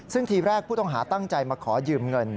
ซึ่งทีแรกผู้ต้องหาตั้งใจมาขอยืมเงิน